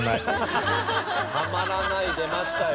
「たまらない」出ましたよ。